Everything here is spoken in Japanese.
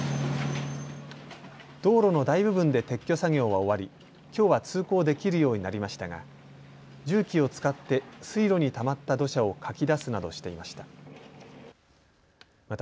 道路の大部分で撤去作業は終わりきょうは通行できるようになりましたが重機を使って水路にたまった土砂をかき出すなどしていました。